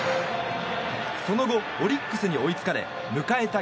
その後、オリックスに追いつかれ迎えた